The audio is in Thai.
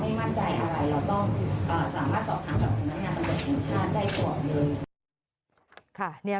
ได้ตรวจเลย